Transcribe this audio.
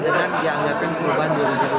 dengan dianggarkan perubahan dua ribu dua puluh